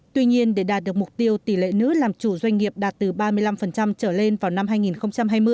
tuy nhiên để đạt được mục tiêu tỷ lệ nữ làm chủ doanh nghiệp đạt từ ba mươi năm trở lên vào năm hai nghìn hai mươi